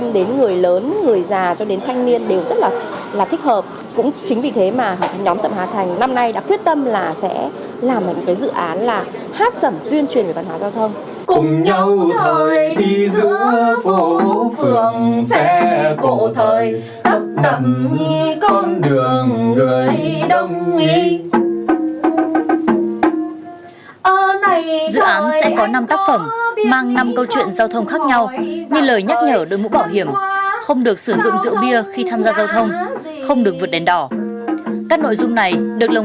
để mùa vu lan diễn ra trong không khí trang nghiêm an toàn công an huyện mỹ hào đã yêu cầu cán bộ chiến sĩ đội an phụ trách xuyên có mặt tại cơ sở phối hợp chặt chẽ với chính quyền